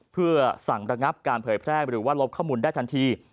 เพื่อสั่งระงับการเผยแพร่หรือว่าลบข้อมูลได้ทันที